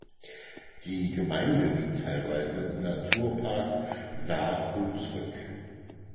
Die Gemeinde liegt teilweise im Naturpark Saar-Hunsrück.